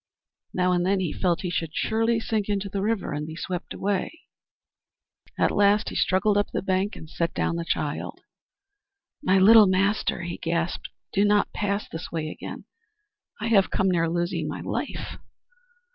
Now and then he felt he should surely sink into the river and be swept away. At last he struggled up the bank and set down the child. "My little Master," he gasped, "do not pass this way again; I have come near losing my life."